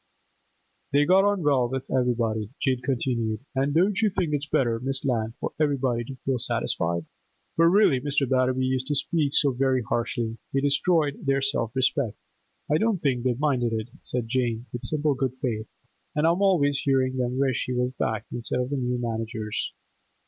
'They got on so well with everybody,' Jane continued. 'And don't you think it's better, Miss Lant, for everybody to feel satisfied?' 'But really, Mr. Batterby used to speak so very harshly. He destroyed their self respect.' 'I don't think they minded it,' said Jane, with simple good faith. 'And I'm always hearing them wish he was back, instead of the new managers.